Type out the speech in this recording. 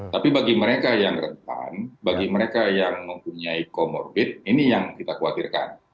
tapi bagi mereka yang rentan bagi mereka yang mempunyai comorbid ini yang kita khawatirkan